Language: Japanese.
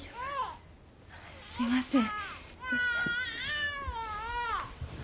すいません。